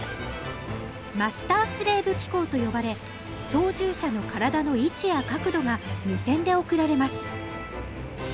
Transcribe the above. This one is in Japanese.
マスタースレーブ機構と呼ばれ操縦者の体の位置や角度が無線で送られます。